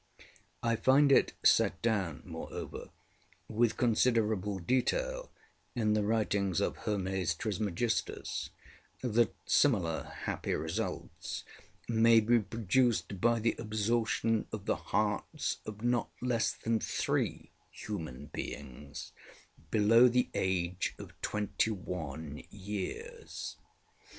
I find it set down, moreover, with considerable detail in the writings of Hermes Trismegistus, that similar happy results may be produced by the absorption of the hearts of not less than three human beings below the age of twenty one years.